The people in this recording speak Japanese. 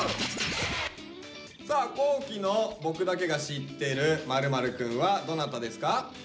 さあ皇輝の「僕だけが知ってる○○くん」はどなたですか？